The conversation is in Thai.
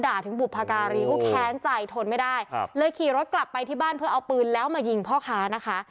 ด่าถึงบุพการีเขาแค้นใจทนไม่ได้เลยขี่รถกลับไปที่บ้านเพื่อเอาปืนแล้วมายิงพ่อค้านะคะ